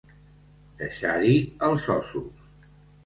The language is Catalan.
Deixar-hi els ossos.